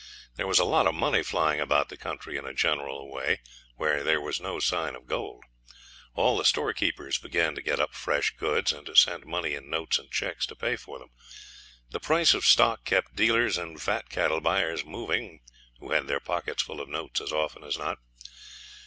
There was a lot of money flying about the country in a general way where there was no sign of gold. All the storekeepers began to get up fresh goods, and to send money in notes and cheques to pay for them. The price of stock kept dealers and fat cattle buyers moving, who had their pockets full of notes as often as not.